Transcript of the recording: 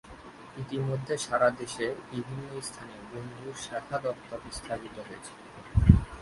ইতোমধ্যে সারা দেশে বিভিন্ন স্থানে বন্ধু’র শাখা দপ্তর স্থাপিত হয়েছে।